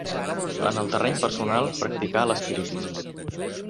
En el terreny personal practicà l'espiritisme.